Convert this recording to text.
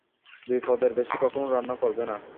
দুই পদের বেশি কখনো রান্না করবে না।